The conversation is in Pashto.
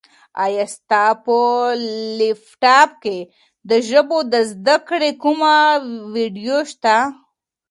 ایا ستا په لیپټاپ کي د ژبو د زده کړې کومه ویډیو شته؟